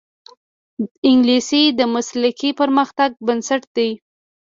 انګلیسي د مسلکي پرمختګ بنسټ دی